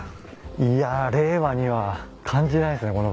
いや令和には感じないっすね